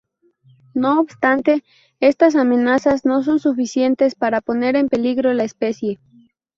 No obstante, estas amenazas no son suficientes para poner en peligro la especie.